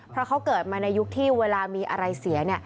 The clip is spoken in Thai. เพราะเขาเกิดมาในยุคที่เวลามีอะไรเสียเนี่ย